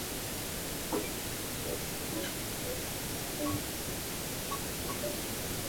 但是不允许采矿和对土地的进一步开发。